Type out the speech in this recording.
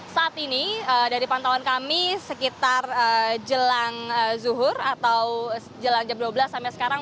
saat ini dari pantauan kami sekitar jelang zuhur atau jelang jam dua belas sampai sekarang